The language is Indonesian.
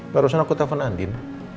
barusan aku telfon andin